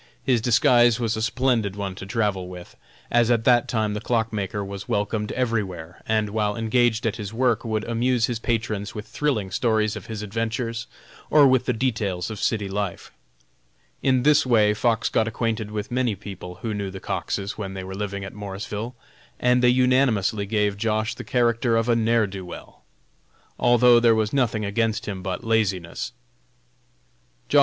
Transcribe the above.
His disguise was a splendid one to travel with, as at that time the clock maker was welcomed everywhere, and while engaged at his work would amuse his patrons with thrilling stories of his adventures, or with the details of city life. In this way Fox got acquainted with many people who knew the Coxes when they were living at Morrisville, and they unanimously gave Josh. the character of a "ne'er do weel," although there was nothing against him but his laziness. Josh.